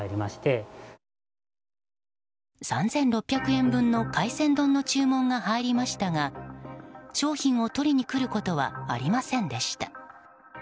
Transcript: ３６００円分の海鮮丼の注文が入りましたが商品を取りに来ることはありませんでした。